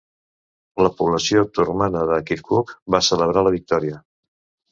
La població turcmana de Kirkuk, va celebrar la victòria.